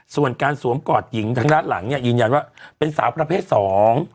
ส่วนการสวมกอดหญิงทางด้านหลังเนี่ยยืนยันว่าเป็นสาวประเภทสอง